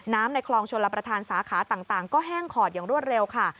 ในคลองชลประธานสาขาต่างก็แห้งขอดอย่างรวดเร็วค่ะ